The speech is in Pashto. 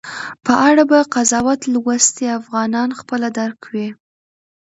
په اړه به قضاوت لوستي افغانان خپله درک وي